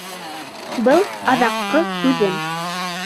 Был аҙаҡҡы һүҙем.